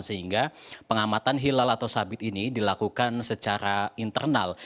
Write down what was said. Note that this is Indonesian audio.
sehingga pengamatan hilal atau sabit ini dilakukan secara internal